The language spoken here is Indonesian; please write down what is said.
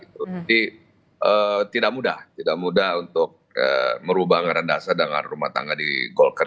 jadi tidak mudah untuk merubah rendah sadar dan rumah tangga di golkar